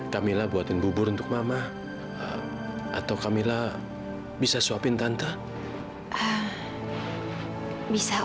camilla buatin bubur untuk mama atau camilla bisa sopin tante bisa om